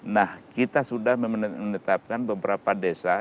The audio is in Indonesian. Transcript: nah kita sudah menetapkan beberapa desa